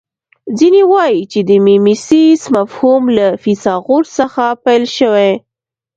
ځینې وايي چې د میمیسیس مفهوم له فیثاغورث څخه پیل شوی